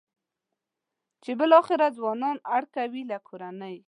چې بالاخره ځوانان اړ کوي له کورنۍ.